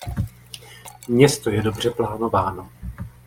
Město je dobře plánováno.